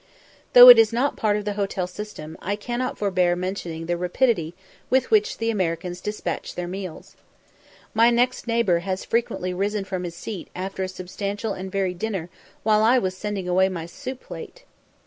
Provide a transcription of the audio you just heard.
Though it is not part of the hotel system, I cannot forbear mentioning the rapidity with which the Americans despatch their meals. My next neighbour has frequently risen from his seat after a substantial and varied dinner while I was sending away my soup plate.